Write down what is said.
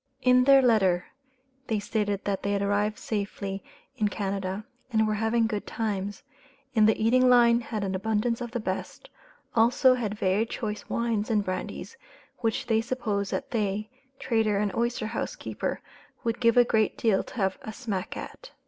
In their letter they stated that they had arrived safely in Canada, and were having good times, in the eating line had an abundance of the best, also had very choice wines and brandies, which they supposed that they (trader and oyster house keeper) would give a great deal to have a "smack at."